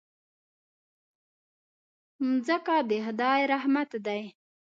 مځکه د خدای رحمت دی.